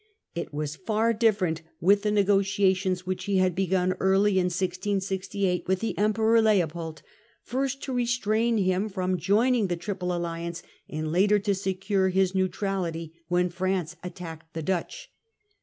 It was far different with the negotiations which he had begun early in 1668 with the Emperor Leopold, first to restrain him from joining the Triple Alliance, and later to secure his neutrality when France attacked the Dutch.